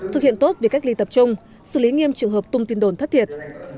thực hiện tốt việc cách ly tập trung xử lý nghiêm trường hợp thất thiệt